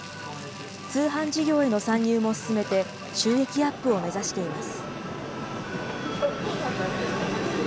通販事業への参入も進めて、収益アップを目指しています。